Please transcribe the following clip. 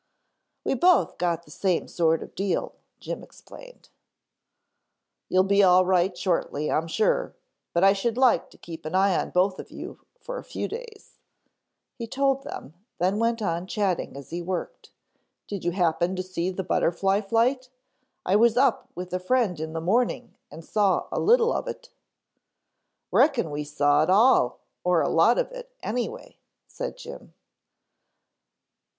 "We both got the same sort of deal," Jim explained. "You'll be all right shortly, I'm sure, but I should like to keep an eye on you both for a few days," he told them, then went on chatting as he worked. "Did you happen to see the butterfly flight? I was up with a friend in the morning and saw a little of it." "Reckon we saw it all or a lot of it, anyway," said Jim.